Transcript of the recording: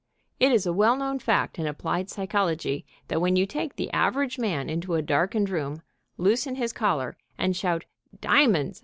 It is a well known fact in applied psychology that when you take the average man into a darkened room, loosen his collar, and shout "Diamonds!"